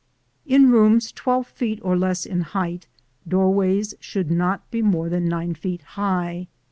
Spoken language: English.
In rooms twelve feet or less in height, doorways should not be more than nine feet high.